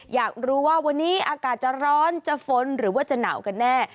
อยากรู้ว่าวันนี้อากาศจะร้อนจะฝนหรือว่าจะหนาวกันแน่